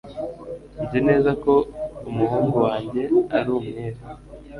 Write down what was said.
nzi neza ko umuhungu wanjye ari umwere